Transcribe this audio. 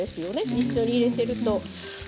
一緒に入れていると。